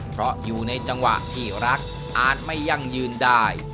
เพราะอยู่ในจังหวะที่รักอาจไม่ยั่งยืนได้